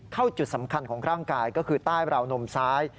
เข้าจุดสำคัญของร่างกายก็คือใต้ราวนมซ้าย